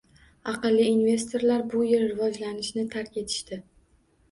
Aqlli investorlar bu yil rivojlanishni tark etishdi